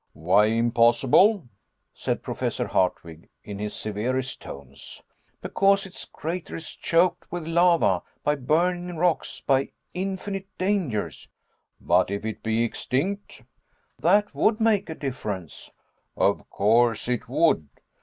"Why impossible?" said Professor Hardwigg in his severest tones. "Because its crater is choked with lava, by burning rocks by infinite dangers." "But if it be extinct?" "That would make a difference." "Of course it would.